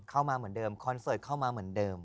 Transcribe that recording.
เข้ามาเหมือนเดิมคอนเสิร์ตเข้ามาเหมือนเดิม